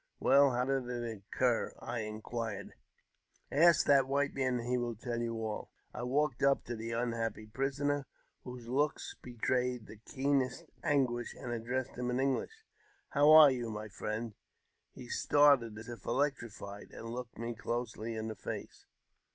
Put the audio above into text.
" Well, how did it occur ?" I enquired. " Ask that white man, and he will tell you all." I JAMES P. BECKWOUBTH. 199 I walked up to the unhappy prisoner, whose looks betrayed the keenest anguish, and addressed him in English. <' How are you, my friend? " He started as if electrified, and looked me closely in the face.